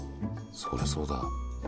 そりゃそうだ。